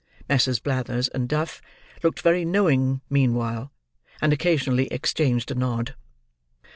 Messrs. Blathers and Duff looked very knowing meanwhile, and occasionally exchanged a nod.